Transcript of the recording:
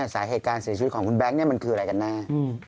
สาเหตุการณ์เสียชีวิตของคุณแบ๊งก์กันแน่